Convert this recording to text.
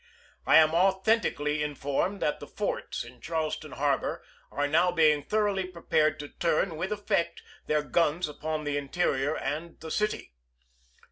I am authentically informed that the forts in Charles ton harbor are now being thoroughly prepared to turn, with effect, their guns upon the interior and the city.